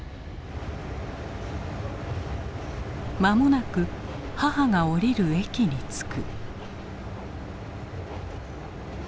間もなく母が降りる駅に着く。